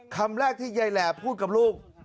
คำแรกที่ยายแหล่พูดกับลูก